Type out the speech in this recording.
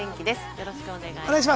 よろしくお願いします。